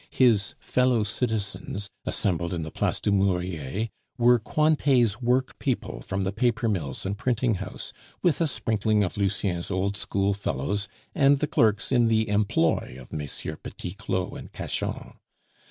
His fellow citizens, assembled in the Place du Murier, were Cointets' workpeople from the papermills and printing house, with a sprinkling of Lucien's old schoolfellows and the clerks in the employ of Messieurs Petit Claud and Cachan.